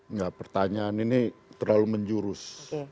enggak pertanyaan ini terlalu menjurus